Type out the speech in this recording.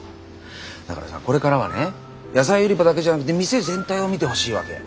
だからさこれからはね野菜売り場だけじゃなくて店全体を見てほしいわけ。